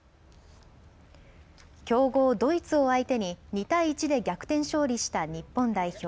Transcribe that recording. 強豪ドイツを相手に２対１で逆転勝利した日本代表。